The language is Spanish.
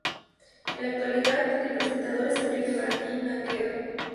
En la actualidad, el presentador es Enrique Martí Maqueda.